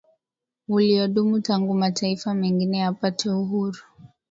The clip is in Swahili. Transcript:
uliodumu tangu mataifa mengine yapate uhuru